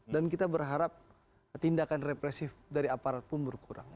dan kita berharap tindakan represif dari aparat pun berkurang